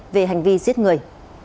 về hành vi giết người